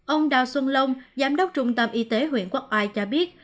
ông đào xuân lông giám đốc trung tâm y tế huyện quốc ai cho biết